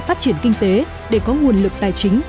phát triển kinh tế để có nguồn lực tài chính